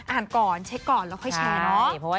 อ่านก่อนเช็คก่อนแล้วค่อยแชร์เนาะ